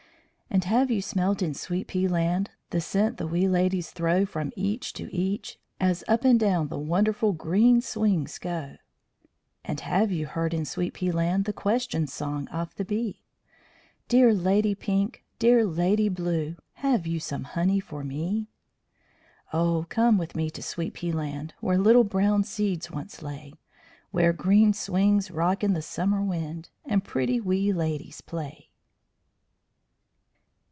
And have you smelt in Sweet pea Land The scent the wee ladies throw From each to each, as up and down The wonderful green swings go? And have you heard in Sweet pea Land The question song of the bee? "Dear Lady Pink, Dear Lady Blue, Have you some honey for me?" Oh, come with me to Sweet pea Land, Where little brown seeds once lay; Where green swings rock in the summer wind. And pretty wee ladies play.